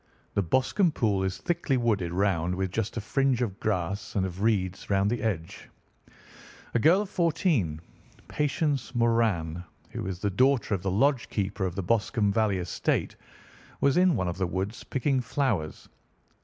The Boscombe Pool is thickly wooded round, with just a fringe of grass and of reeds round the edge. A girl of fourteen, Patience Moran, who is the daughter of the lodge keeper of the Boscombe Valley estate, was in one of the woods picking flowers.